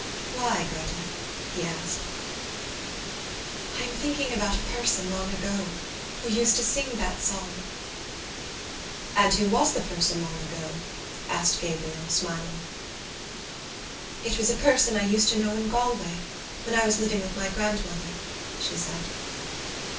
"Why, Gretta?" he asked. "I am thinking about a person long ago who used to sing that song." "And who was the person long ago?" asked Gabriel, smiling. "It was a person I used to know in Galway when I was living with my grandmother," she said.